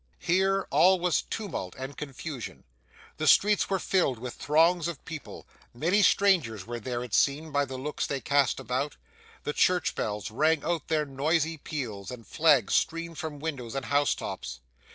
Here all was tumult and confusion; the streets were filled with throngs of people many strangers were there, it seemed, by the looks they cast about the church bells rang out their noisy peals, and flags streamed from windows and house tops.